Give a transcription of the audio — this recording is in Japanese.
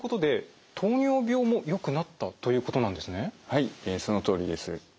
はいそのとおりです。